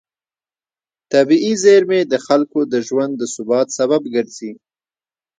طبیعي زېرمې د خلکو د ژوند د ثبات سبب ګرځي.